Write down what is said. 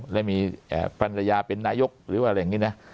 แล้วมีฝรั่นรยาเป็นนาชีพนรยคหรือเงี้ย